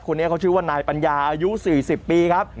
คนนี้เขาชื่อว่านายปัญญาอายุ๔๐ปีครับ